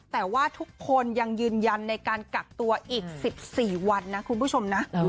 แต่ว่าทุกคนยังยืนยันในการกักตัวอีก๑๔วันนะคุณผู้ชมนะ